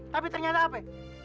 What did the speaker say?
tapi ternyata apa